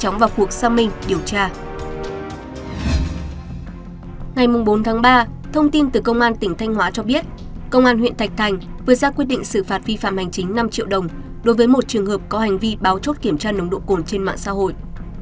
ngày bốn tháng ba thông tin từ công an tỉnh thanh hóa cho biết công an huyện thạch thành vừa ra quyết định xử phạt vi phạm hành chính năm triệu đồng đối với một trường hợp có hành vi báo chốt kiểm tra nồng độ cồn trên mạng xã hội